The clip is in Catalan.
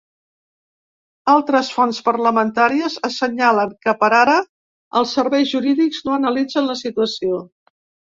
Altres fonts parlamentàries assenyalen que, per ara, els serveis jurídics no analitzen la situació.